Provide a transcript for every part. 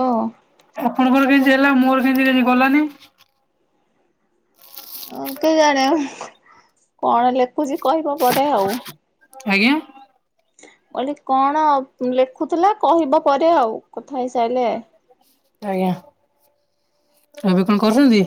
ଓ। ଅ ଆପଣଙ୍କର କେମତି ହେଲା ମୋର କେମତି କାଲି ଗଲାନି? କେୟାଣୀ କଣ ଲେଖୁଛି କହିବ ପଦ ଆଉ। ଆଜ୍ଞା। କହିଲି କଣ ଲେଖୁଥିଲା କହିବା ପରେ ଆଉ କଥା ହେଇସାରିଲେ। ଆଜ୍ଞା ଏବେ କଣ କରୁଛନ୍ତି?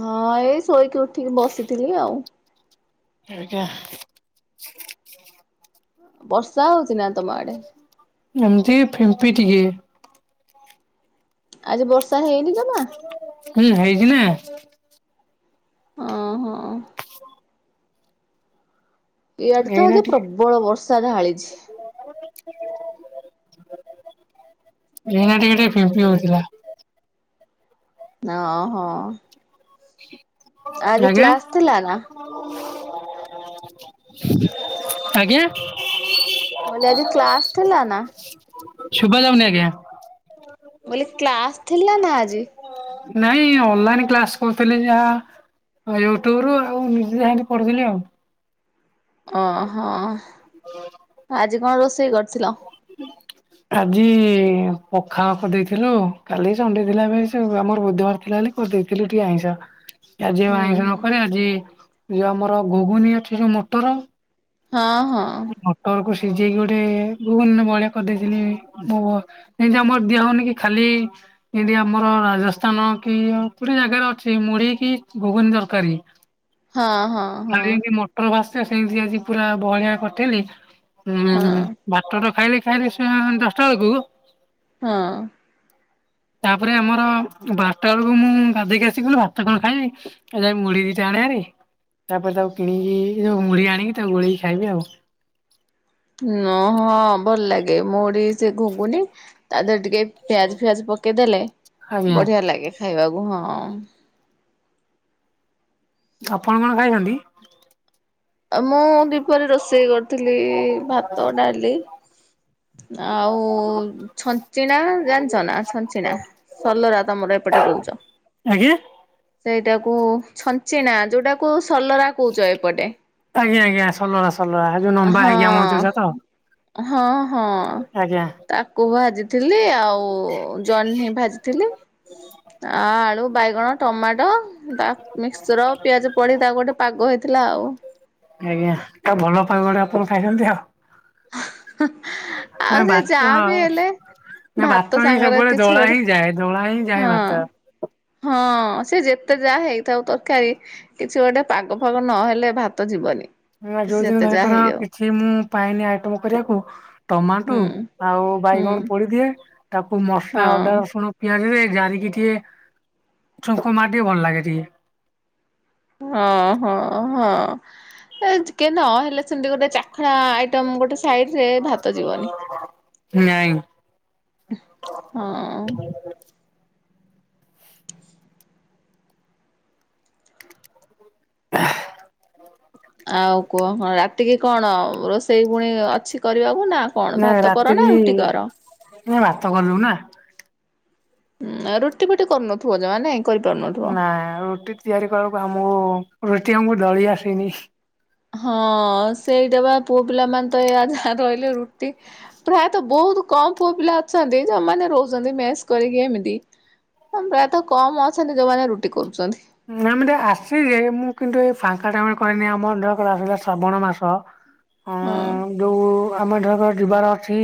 ହଁ ଏଇ ଶୋଇକି ଉଠିକି ବସିଥିଲି ଆଉ। ଆଜ୍ଞା। ବର୍ଷା ହଉଛି ନା ତମ ଆଡେ? ଏମିତି ଫିମ୍ପି ଟିକେ। ଆଜି ବର୍ଷା ହେଇନି ଜମା? ହୁଁ ହେଇଛି ନା। ହଁ ହଁ। ଇଆଡେ ତ ଏଇନା ଆଜି ଟିକେ ପ୍ରବଳ ବର୍ଷା ଢ଼ାଳିଛି। ଏଇନା ଟିକେ ଟିକେ ଫିମ୍ପି ହଉଥିଲା। ଓ ହୋ। ଆଜ୍ଞା। କ୍ଲାସ ଥିଲା ନା? ଆଜ୍ଞା। ମୁଁ କହିଲି ଆଜି କ୍ଲାସ ଥିଲା ନା? ଶୁଭା ଯାଉନି ଆଜ୍ଞା। ମୁଁ କହିଲି କ୍ଲାସ୍ ଥିଲା ନା ଆଜି? ନାଇଁ ଅନଲାଇନ କ୍ଲାସ୍। କହୁଥିଲି ଯାହା ୟୁଟ୍ୟୁବ ରୁ ଆଉ ନିଜେ ଯାହାକି ପଢୁଥିଲି ଆଉ। ଓହୋ ଆଜି କଣ ରୋଷେଇ କରିଥିଲ? ଆଜି ପଖାଳ କରିଦେଇଥିଲୁ କାଲି ସଣ୍ଡେ ଥିଲାବେସ ଆମର ବୁଧବାର ଥିଲା ବୋଲି। କରିଦେଇଥିଲି ଟିକେ ଆଇଁସ। ଆଜି ହୁଁ ଆଇଁଷ ହୁଁ ନକରି ଆଜି ଯୋଉ ଆମର ଘୁଗୁନି ଅଛି ଯୋଉ ମୋଟର। ହଁ ହଁ। ମଟର କୁ ସିଝେଇକି ଗୋଟେ ଘୁଗୁନି ଭଳିଆ କରିଦେଇଥିଲି ମ ଏନ୍ତୀ ଆମର ଦିଆ ହଉନି କି ଖାଲି। ଏନ୍ତୀ ଆମର ରାଜସ୍ଥାନ କି ଗୋଟେ ଜାଗାରେ ଅଛି ମୁଢି କି ଘୁଗୁନି ତରକାରୀ। ହଁ ହଁ। ହଁ କାଲି ଯେମତି ମଟର ଭାସିଥିଲା, ସେମିତି ଆଜି ପୁରା ବହଳିିଆ କରିଥିଲି। ଉଁ ହଁ। ଭାତ ତ ଖାଇଲି ଖାଇଲି ସେ ଦଶଟା ବେଳକୁ। ହଁ। ତାପରେ ଆମର ବାରଟା ବେଳକୁ, ମୁଁ ଗାଧେଇକି ଆସି କହିଲି ଭାତ କଣ ଖାଇବି ଏ ନାଇଁ ମୁଢୀ ଦିଟା ଆଣେ ଭାରି। ତାପରେ ତାକୁ କିଣିକି, ଯୋଉ ମୁଢି ଆଣିକି ତାକୁ ଗୋଳେଇକି ଖାଇବି ଆଉ। ନ ହଁ ଭଲ ଲାଗେ, ମୁଢି ସେ ଘୁଗୁନି ତା ଦେହରେ ଟିକେ ପିଆଜ ଫିଆଜ ପକେଇଦେଲେ, ଆଜ୍ଞା ବଢ଼ିଆ ଲାଗେ ଖାଇବାକୁ ହଁ। ଆପଣ କଣ ଖାଇଛନ୍ତି? ମୁଁ ଦ୍ୱିପହରେ ରୋଷେଇ କରିଥିଲି, ଭାତ, ଡାଲି ଆଉ ଛଞ୍ଚିଣା, ଜାଣିଛ ନା ଛଞ୍ଚିଣା? ସଲରା, ତମର ଏପଟେ କହୁଛ। ଆଜ୍ଞା। ସେଇଟାକୁ ଛଞ୍ଚିଣା, ଯୋଉଟାକୁ ସଲରା କହୁଛ ଏପଟେ। ଆଜ୍ଞା ଆଜ୍ଞା ସଲରା ସଲରା, ଯୋଉ ଲମ୍ବା ହଁ ହେଇକି ଆମର ଯୋଉଟା ତ। ହଁ ହଁ ତାକୁ ଭାଜିଥିଲି, ଆଉ ଜହ୍ନି ଭାଜିଥିଲି। ଆ ଆଳୁ, ବାଇଗଣ, ଟମାଟ ତା ମିକ୍ସଚର ପିଆଜ ପଡି ତାକୁ ଗୋଟେ ପାଗ ହେଇଥିଲା ଆଉ। ଆଜ୍ଞା ତା ଭଲ ପାଗ ଟା ଆପଣ ଖାଇଛନ୍ତି ଆଉ। ଆଉ ନା ସେ ଭାତ ଯା ବି ହେଲେ ନା ଭାତ ହିଁ ସାଙ୍ଗରେ ସବୁବେଳେ କିଛି ଦଳା ଗୋଟେ, ହିଁ ଯାଏ ଦଳା ହିଁ ଯାଏ ହଁ। ଭାତ। ହଁ ସେ ଯେତେ ଯାହା ହେଇଥାଉ ତରକାରୀ କିଛି ଗୋଟେ ପାଗ ଫାଗ ନହେଲେ ଭାତ ଯିବନି। ନା ସେ ଯୋଉଦିନ ଯେତେ ଯାହା ଧରକର ହେଇଯାଉ କିଛି ମୁଁ ପାଏନି ଆଇଟମ କରିଆକୁ ଟମାଟୁ ହୁଁ ଆଉ ହୁଁ ବାଇଗଣ ପୋଡିଦିଏ, ତାକୁ ମସଲା ଅଦା ହଁ। ରସୁଣ ପିଆଜରେ ଜାରିକି ଟିକେ, ଛୁଙ୍କ ମାରିଦିଏ ଭଲ ଲାଗେ ଟିକେ। ହଁ- ହଁ -ହଁ କେ ନହେଲେ ସେମିତି ଗୋଟେ ଚାଖଣା ଆଇଟମ୍ ଗୋଟେ ସାଇଡରେ ଭାତ ଯିବନି। ନାଇଁ ହଁ। [unintelligible] ଆଉ କୁହ କଣ ରାତିକି କଣ, ରୋଷେଇ ପୁଣି ଅଛି କରିବାକୁ ନା କଣ ନାଇ ଭାତ କର ନା ରାତିକି ରୁଟି କର [unintelligible] ଭାତ କଲୁ ନା। ଉଁ ରୁଟି ଫୁଟି କରୁନଥିବ ଜମା ନାଇଁ? କରିପାରୁନଥିବ। ନାଇଁ ରୁଟି ତିଆରି କରିବାକୁ, ମୁଁ ରୁଟି ଆମକୁ ଦଳିଆସେଇନି। ହଁ ସେଇଟା ବା, ପୁଅ ପିଲାମାନେ ତ ଏଇଆ ଯା ରହିଲେ ରୁଟି ପ୍ରାୟତ ବହୁତ କମ୍ ପୁଅ ପିଲା ଅଛନ୍ତି, ଯୋଉମାନେ ରହୁଛନ୍ତି ମେସ୍ କରିକି ଏମିତି ପ୍ରାୟତଃ କମ୍ ଅଛନ୍ତି ଯୋଉମାନେ ରୁଟି କରୁଚନ୍ତି। ନାଇଁ ମତେ ଆସେ ଯେ, ମୁଁ କିନ୍ତୁ ଏଇ ଫାଙ୍କା ଟା କରେନି ଆମର ଅ ଆସିଲା ଶ୍ରାବଣ ମାସ ଅଁ ହଁ। ଯୋଉ ଆମ ଧର ଯିବାର ଅଛି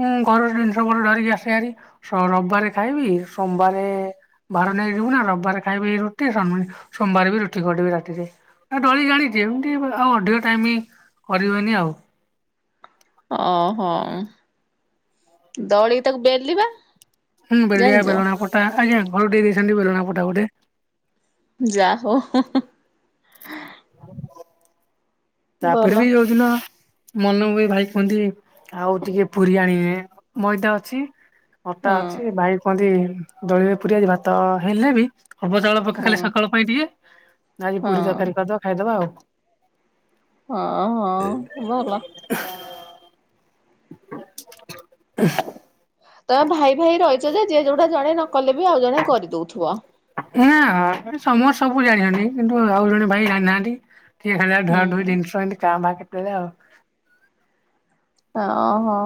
ଉଁ ଘରର ଜିନିଷ କଣ ଧରିକି ଆସେ ଭାରି, ରବିବାରେ ଖାଇବି ସୋମବାରେ ବାହାରୁ ନେଇକି ଯିବୁ ନା, ରବିବାର ଖାଇବି [unintelligible] ସୋମବାରେ ବି ରୁଟି କରିିଦେବି ରାତିରେ, ଦଳି ଜାଣିଛି ଏମିତି ଆଉ ଅଧିକ ଟାଇମ୍ କରିହୁଏନି ଆଉ। ଓ ହୋ ଦଳିକି ତାକୁ ବେଲିବା ହୁଁ ବେଲିଆ ଜାଣିଛ ବେଲଣାପଟା ଆଜ୍ଞା, ଘରୁ ଦେଇ ଦେଇଛନ୍ତି ବେଲଣାପଟା ଗୋଟେ। ଯା ହଉ। ଭଲ ତାପରେ ବି ଯୋଉଦିନ ମନକୁ ବି ଭାଇ କୁହନ୍ତି ଆଉ ଟିକେ ପୁରୀ ଆଣିବେ, ମଇଦା ଅଛି ଅଟା ହଁ ଅଛି ଭାଇ କୁହନ୍ତି ଦଳିରେ ପୁରୀ ଛି ଭାତ ହେଲେ ବି ହବ ଚାଳ କା ହଁ ଖାଲି ସକାଳ ପାଇଁ ଟିକେ ଆଜି ହଁ ପୁରୀ ତରକାରୀ କରିଦବା ଖାଇଦବା ଆଉ। ହଁ ହଁ ଭଲ। [unintelligible] ତମେ ଭାଇ ଭାଇ ରହିଛ ଯେ ଯିଏ ଯୋଉଟା ଜଣେ ନକଲେ ବି ଆଉ ଜଣେ କରିଦଉଥିବ। ହୁଁ ସମସ୍ତେ ସବୁ ଜାଣିଛନ୍ତି କିନ୍ତୁ ଆଉ ଜଣେ ଭାଇ ଜାଣିନାହାନ୍ତି। ଠିକ ହୁଁ [unintelligible] କାଁ ଭାଁ କେତେବେଳେ। ଓହୋ।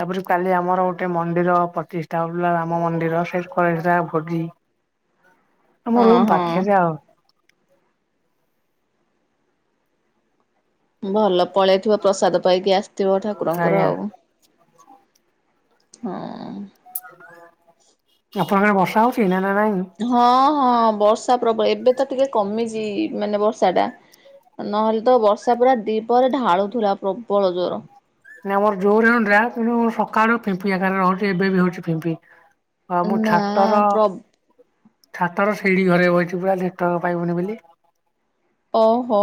ତାପରେ କାଲି ଆମର ଗୋଟେ ମନ୍ଦିର ପ୍ରତିଷ୍ଠା ହଉଥିଲା ରାମ ମନ୍ଦିର [unintelligible] ଭୋଜି। ଆମ ହଁ ରୁମ୍ ହଁ। ପାଖେ ଯା ଆଉ ଭଲ ପଳେଇଥିବ ପ୍ରସାଦ ପାଇକି ଆସିଥିବ ଠାକୁରଙ୍କର ଆଜ୍ଞା ଆଉ। ହଁ। ଆପଣଙ୍କର ବର୍ଷା ହଉଛି ନା ନା ନାଇଁ? ହଁ ହଁ ବର୍ଷା ପ୍ରବଳ ଏବେ ତ ଟିକେ କମିଛି ମାନେ ବର୍ଷା ଟା ନହେଲେ ତ ବର୍ଷା ପୁରା ଦିପହରେ ଢାଳୁଥିଲା ପ୍ରବଳ ଜୋର ଆମର ଜୋରରେ ହେଉଥିଲା କିନ୍ତୁ ସକାଳୁ ଫିମ୍ପିରେ ରହୁଛି ଏବେ ବି ହଉଛି ଫିମ୍ପି ହଁ ମୁଁ ନା ଛାତର ପ୍ର ଛାତର ଶିଢୀ ଘରେ ବହିଛି ପୁରା ନେଟୱର୍କ ପାଇବନି ବୋଲି। ଓହୋ।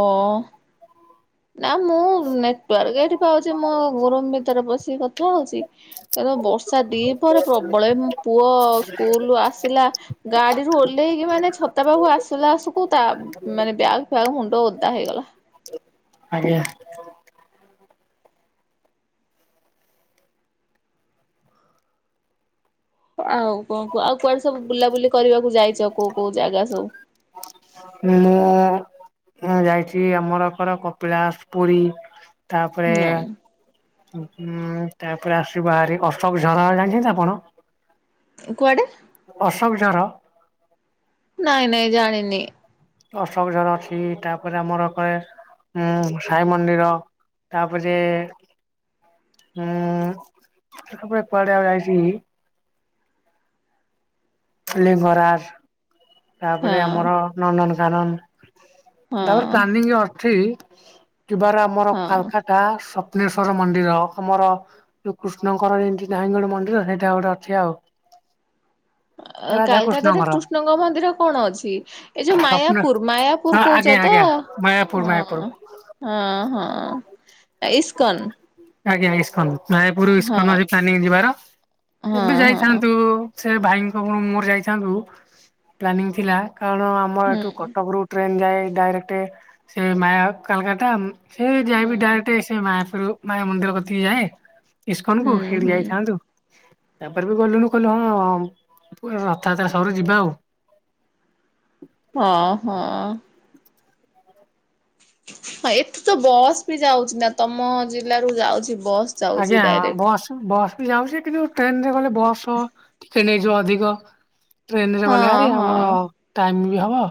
ନା ମୁଁ ନେଟୱର୍କ ଏଇଠି ପାଉଛି ମୋ ରୁମ୍‌ଭିତରେ ବସି କଥା ହଉଛି। ତ ବର୍ଷା ଦିପହରେ ପ୍ରବଳ ପୁଅ ସ୍କୁଲରୁ ଆସିଲା ଗାଡିରୁୁ ଓହ୍ଲେଇକି ମାନେ ଛତା ପାଖକୁ ଆସିଲା ଆସକୁ ତା ମାନେ ବ୍ୟାଗ୍ ଫ୍ୟାଗ୍ ମୁଣ୍ଡ ଓଦା ହେଇଗଲା। ଆଜ୍ଞା। ଆଉ କଣ କୁ ଆଉ କୁଆଡେ ସବୁ ବୁଲାବୁଲି କରିବାକୁ ଯାଇ ଚ଼ କୋଉ କୋଉ ଜାଗା ସବୁ? ମୁଁ ଯାଇଛି ଆମରର କପିଳାଶ, ପୁରୀ ତାପରେ ହୁଁ ହଁ ତାପରେ ଆସିବ ବାହାରି ଅଶୋକ ଝର ଜାଣିଛନ୍ତି ଆପଣ? କୁଆଡେ? ଅଶୋକଝର। ନାଇଁ ନାଇଁ ଜାଣିନି। ଅଶୋକଝର ଅଛି ତାପରେ ଆମର କରେ ଉଁ ସାଇ ମନ୍ଦିର ତାପରେ ହୁଁ ତାପରେ କୁଆଡ଼େ ଆଉ ଯାଇଛି ଖାଲି ବରା ହଁ ତାପରେ ଆମର ନନ୍ଦନକାନନ ହଁ ତାପରେ ପ୍ଲାନିଂ ଅଛି ଯିବାର ଆମର ହଁ। କାଲକାଟା ସ୍ୱପ୍ନେଶ୍ଵର ମନ୍ଦିର ଆମର ଯୋଉ କୃଷ୍ଣଙ୍କର ଏଠି ନାହିଁ ଗୋଟେ ମନ୍ଦିର ସେଇଟା ଗୋଟେ ଅଛି ଆଉ କାଲକାଟାରେ ରାଧାକୃଷ୍ଣଙ୍କର କୃଷ୍ଣଙ୍କ ମନ୍ଦିର କଣ ଅଛି? ଏ ଯୋଉ ସ୍ୱପ୍ନ ମାୟାପୁର ମାୟାପୁର ହଁ କହୁଚ ଆଜ୍ଞା ତ? ଆଜ୍ଞା ମାୟାପୁର ହଁ ମାୟାପୁର। ହଁ ହଁ ଇସ୍କନ୍‌। ଆଜ୍ଞା ଇସ୍କନ ମାୟାପୁର ଇସ୍କନ ଅଛି ପ୍ଲାନିଂ ଯିବାର ହଁ ଏବେ ହଁ ଯାଇଥାନ୍ତୁ ସେ ଭାଇଙ୍କ ମୋର ଯାଇଥାନ୍ତୁ ପ୍ଲାନିଂ ଥିଲା କାରଣ ଆମ ହୁଁ ଏଠୁ କଟକ ରୁ ଟ୍ରେନ ଯାଇ ଡାଇରେକ୍ଟ ସେ ମାୟା କାଲକାଟା ସେ ହୁଁ ଯାଇବି ଡାଇରେକ୍ଟ ସେ ମାଫ୍ରୁରୁ ମାନେ ମନ୍ଦିର କତିକି ଯାଏ ଇସ୍କନ କୁ ହୁଁ ସେଇଠି ହୁଁ ଯାଇଥାନ୍ତୁ ତାପରେ ବି ଗଲୁନୁ କହିଲୁ ହଁ ପ ରଥଯାତ୍ରା ସରୁ ଯିବା ଆଉ ହ [unintelligible] ହଁ ହଁ ହଁ ଏଠୁତ ବସ୍ ବି ଯାଉଛି ନା ତମ ଜିଲ୍ଲାରୁ ଯାଉଛି ବସ୍ ଯାଉଛି ଆଜ୍ଞା ହଁ ଡାଇରେକ୍ଟ। ବସ ବସ ବି ଯାଉଡଚି କିନ୍ତୁ ଟ୍ରେନରେ ଗଲେ ବସ ଟିକେ ନେଇଯିବ ଅଧିକ। ଟ୍ରେନରେ ଗଲେ ହଁ ଭାରି ଆମ ହଁ ଟାଇମି ବି ହବ।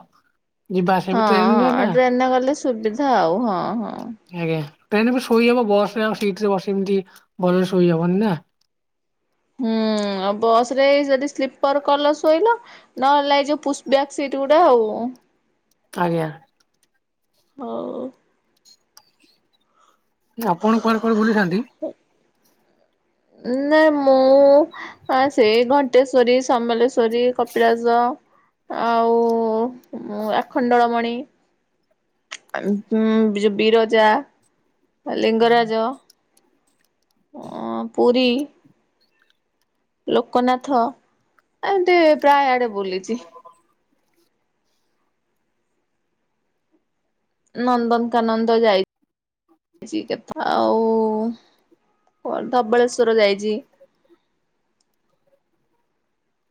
ଯିବା ଆସିବା ହଁ ବି ଟ୍ରେନରେ ହଁ ନା ଟ୍ରେନରେ ଗଲେ ସୁବିଧା ଆଉ ହଁ ହଁ। ଆଜ୍ଞା ଟ୍ରେନରେ ବି ଶୋଇ ହବ ବସରେ ଆଉ ସିଟରେ ବସି ଏମିତି ଭଲରେ ଶୋଇହବନି ନା। ହୁଁ ଆଉ ବସରେ ଯଦି ସ୍ଲିପର କଲ ଶୋଇଲ। ନହେଲେ ନାଇ ଯୋଉ ପୁଷ୍ ବ୍ୟାଗ ସିଟ୍ ଗୁଡା ଆଉ। ଆଜ୍ଞା। ହୋଉ। ନା ଆପଣ କୁଆଡେ କୁଆଡେ ବୁଲିଛନ୍ତି? ହୁଁ। ଉଁ ନା ମୁଁ ହାଁ ସେଇ ଘଣ୍ଟେଶ୍ଵରୀ, ସମଲେଶ୍ଵରୀ, କପିଳାସ। ଆଉ ଉଁ ଆଖଣ୍ଡଳମଣି ଉଁ ଯୋଉ ବିରଜା ଲିଙ୍ଗରାଜ ଅ ପୁରୀ ଲୋକନାଥ ଏମତି ପ୍ରାୟ ଆଡେ ବୁଲିଚି। ନନ୍ଦନକାନନ ତ ଯାଇ ଚି କେତେଥର ଆଉ ଆଉ କଣ ଧବଳେଶ୍ଵର ଯାଇଚି।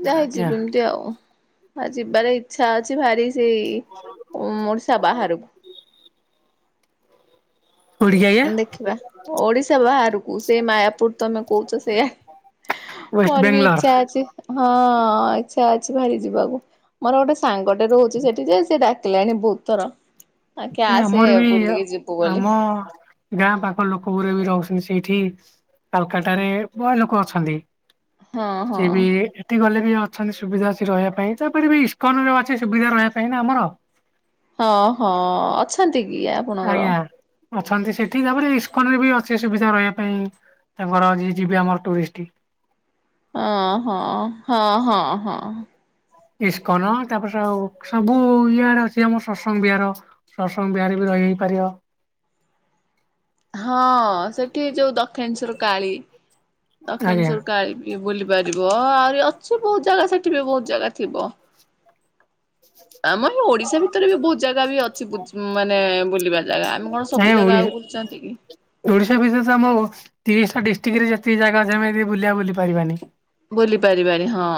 ଯା ହେଇଚି ଆଜ୍ଞା ଯିବିନି ଟି ଆଉ ବା ଯିବାରେ ଇଚ୍ଛା ଅଛି ଭାରି। ସେଇ ଉମ୍ ଓଡ଼ିଶା ବାହାରକୁ। କୋଉଠିକି ଆଜ୍ଞା ଦେଖିବା ଓଡିଶା ବାହାରକୁ ସେଇ ମାୟାପୁର ତମେ କୋହୁଚ ସେୟା। ୱେଷ୍ଟ ମୋର ବି ବେଙ୍ଗଲୋର ଇଚ୍ଛା ଅଛି। ହଁ ଇଚ୍ଛା ଅଛି ଭାରି ଯିବାକୁ ମୋର ଗୋଟେ ସାଙ୍ଗଟେ ରହୁଚି ସେଠି ଯେ ସେ ଡା ଡାକିଲାଣି ବୋହୁତ ଥର ଆ ତୁ ନା ଆସେ ଆମର ବି ବୁଲିକି ଯିବୁ ଆମ ବୋଲି। ଗାଁ ପାଖ ଲୋକ ଗୁର ବି ରହୁଛନ୍ତି ସେଇଠି କାଲକାଟାରେ ବ ଲୋକ ଅଛନ୍ତି। ହଁ ହଁ। ସେବି ତି ଗଲେ ବି ଅଛନ୍ତି ସୁବିଧା ଅଛି ରହିବା ପାଇଁ ତାପରେ ବି ଇସକନରେ ଅଛି ସୁବିଧା ରହିବା ପାଇଁ ନା ଆମର। ହଁ ହଁ ଅଛନ୍ତି କି ଆ ଆଜ୍ଞା ଅଛନ୍ତି ସେଠି ତାପରେ ଇସ୍କନରେ ବି ଅଛି ସୁବିଧା ରହିବା ପାଇଁ। ତାଙ୍କର ଯିଏ ଯିବେ ଆମର ଟୁରିଷ୍ଟି। ଓ ହଁ ହଁ ହଁ ହଁ। ଇସ୍କନ ତାପରେ ସଆଉ ସବୁ ଇୟାଡ ଅଛି ଆମ ସତ୍ସଙ୍ଗ ବିହାର। ସତ୍ସଙ୍ଗ ବିହାର ବି ରହିହେଇ ପାରିବ। ହଁ ସେଠି ଯୋଉ ଦକ୍ଷିଣେଶ୍ଵର କାଳୀ ଆଜ୍ଞା ଦକ୍ଷିଣେଶ୍ଵର କାଳୀ ବି କି ବୁଲି ପାରିବ ଆହୁରି ଅଛି ବୋହୁତ ଜାଗା ସେଠି ବି ବୋହୁତ ଜାଗା ଥିବ। ଆମ ଏ ଓଡିଶା ଭିତରେ ବି ବୋହୁତ ଜାଗା ବି ଅଛି ବୁଜି ମାନେ ବୁଲିବା ବା ଜାଗା ଆମେ କଣ ଆଜ୍ଞା ସବୁ ଜାଗା ଓଡି ଆଉ ବୁଲଚନ୍ତି କି। ଓଡିଶା ଭିତରେ ତ ଆମ ଓ ତିରିଶଟା ଡିଷ୍ଟ୍ରିକରେ ଯେତିକି ଜାଗା ଅମେ ଯଦି ବୁଲିବା ବୁଲି ପାରିବାନି। ବୁଲି ପାରିବାନି ହଁ।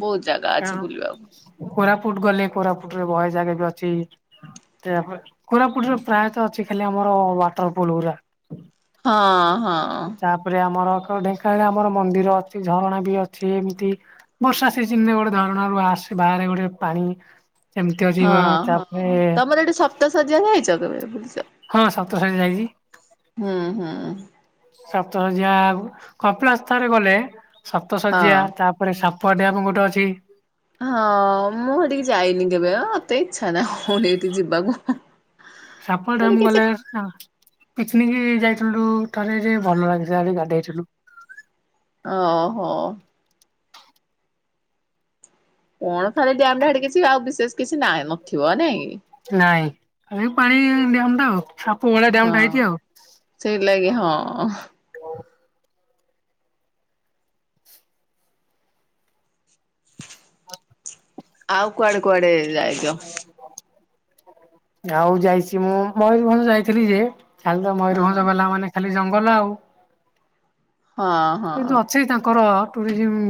ବହୁତ ଜାଗା ଅଛି ବୁଲିବାକୁ। କାରଣ କୋରାପୁଟ ଗଲେ କୋରାପୁଟରେ ବହେ ଜାଗା ବି ଅଛି। ତାପରେ କୋରାପୁଟରେ ପ୍ରାୟତଃ ଅଛି ଖାଲି ଆମର ୱାଟରଫଲ ଗୁରା। ହଁ ହଁ କି ତାପ୍ ପରେ ଆମର କ ଢେଙ୍କାନଳରେ ଆମର ମନ୍ଦିର ଅଛି ଝରଣା ବି ଅଛି ଏମିତି ବର୍ଷା ସିଜିିନରେ ଗୋଟେ ଝରଣାରୁ ଆସେ ବାହାରେ ଗୋଟେ ପାଣି। ସେମତି ଅଛି ଯିବା ତାପରେ ତ ସେ [unintelligible] କେବେ ବୁଲିଚ? ହଁ ସପ୍ତ ସେଠି ଯାଇଚି। ହଁ ହଁ। ସପ୍ତଶଯ୍ୟା ଆଗୁ କପିଳାସ ତାରେ ଗଲେ ସପ୍ତଶଯ୍ୟା ହଁ। ତା ପରେ ସାପୁଆଡ୍ୟାମ୍ ଗୋଟେ ଅଛି। ହଁ ମୁଁ ହେଟିକି ଯାଇନି କେବେ ମତେ ଇଚ୍ଛା ନାହିଁ ହୋଉନି ଏଠି ଯିବାକୁ। ସାପ ଟା ସେଠି ମୁଁ କିଛି ଗଲା ହଁ ପିକନିକ ଯାଇଥିଲୁ ଥରେ ଯେ ଭଲ ଲାଗିଲାନି ଗାଧଇଥିଲୁ। ଓହୋ। କଣ ଖାଲି ଡ୍ୟାମ ହେଟି କିଛି ଆଉ ବିଶେଷ କିଛି ନାଇଁ ନଥିବ ନାଇଁକି। ଆ ପାଣି ଡ୍ୟମ୍ ଟା ଆଉ ସାପ ଭଳିଆ ଡ୍ୟାମ ଟା ହେଇଛି ଆଉ। ସେଇଥି ଲାଗି ହଁ। ଆଉ କୁଆଡେ କୁଆଡେ ଯାଇ ଆଉ ଯାଇଛି ମୁଁ ମୟୂରଭଞ୍ଜ ଯାଇଥିଲି ଯେ ଖାଲି ତ ହଁ ମୟୂରଭଞ୍ଜ ଗଲା ମାନେ ଖାଲି ଜଙ୍ଗଲ ଆଉ। ହଁ। କିନ୍ତୁ ହଁ ଅଛି ତାଙ୍କର ଟୁରିଜିମ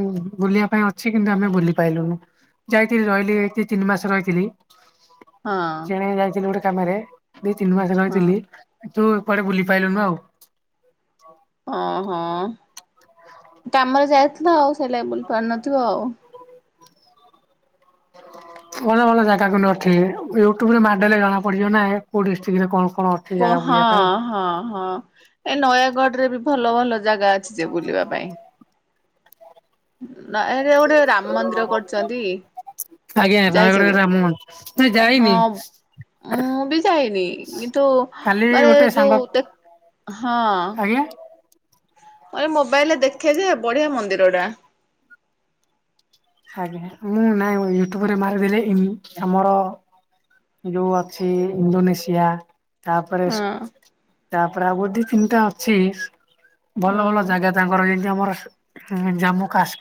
ବୁଲିବା ପାଇଁ ଅଛି କିନ୍ତୁ ଆମେ ବୁଲି ପାଇଲୁନୁ। ଯାଇଥିଲି ରହିଲି ତିନି ମାସ ରହିଥିଲି ହଁ ଚେଣେ ଯାଇଥିଲି ଗୋଟେ କାମରେ ଦି ତିନି ମାସ ହେଲାଣି ହଁ ଥିଲି ଯୋଉ କୁଆଡ଼େ ବୁଲି ପାଇଲୁନୁ ଆଉ। ଓହୋ କାମରେ ଯାଇଥିଲ ଆଉ ସେଲାଗି ବୁଲି ପାରିନଥିବ ଆଉ। [inaudible] ଭଲ ଭଲ ଜାଗା କିନ୍ତୁ ଅଛି ୟୁଟ୍ୟୁବ ରେ ମାଡେଲେ ଜଣା ପଡିିବ ନା କୋଉ ଡିଷ୍ଟ୍ରିକଟ ରେ କଣ କଣ ଅ ପୁ ହଁ ହଁ ହଁ ଏ ନୟାଗଡ ରେ ବି ଭଲ ଭଲ ଜାଗା ଅଛି ଯେ ବୁଲିବା ପାଇଁ। ନା ଏ ଗୋଟେ ରାମ ମନ୍ଦିର କରଚନ୍ତି। ଆଜ୍ଞା ହଁ ଗୋଟେ ରାମ ନା ହଁ ଯାଇନି। ମୁଁ ବି ଯାଇନି କିନ୍ତୁ କାଲି ମାନେ ଗୋଟେ ସାଙ୍ଗ ଯୋଉ ଦେଖ ହଁ। ଆଜ୍ଞା ମୁଁ ଏ ମୋବାଇଲରେ ଦେଖେ ଯେ ବଢ଼ିଆ ମନ୍ଦିରଟା। ଆଜ୍ଞା ମୁଁ ନାଇଁ ୟୁଟ୍ୟୁବରେ ମାରିଦେଲେ ଆମର ଯୋଉ ଅଛି ଇଣ୍ଡୋନେସିଆ ତାପରେ ହଁ ତାପରେ ଆଉଦି ତିନିଟା ଅଛି ଭଲ ହଁ ଭଲ ଜାଗା ତାଙ୍କର ଯେମିତି ଆମର ଜାମ୍ମୁ କାଶ୍ମୀର